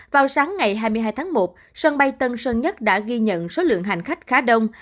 vào sáng ngày hai mươi hai tháng một sân bay tân sơn nhất đã ghi nhận số lượng hành khách khá đông